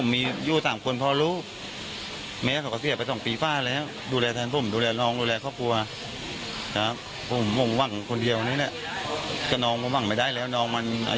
มันไม่แข็งแรง